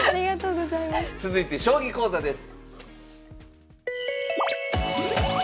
続いて将棋講座です。